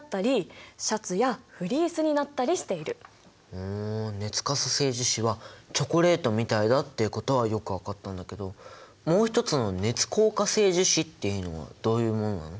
ふん熱可塑性樹脂はチョコレートみたいだってことはよく分かったんだけどもう一つの熱硬化性樹脂っていうのはどういうものなの？